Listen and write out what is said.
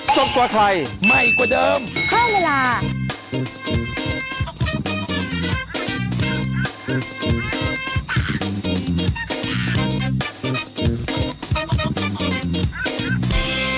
จริง